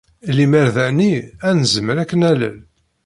Lemmer dani, ad nezmer ad k-nalel.